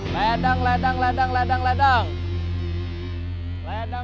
ledang ledang ledang ledang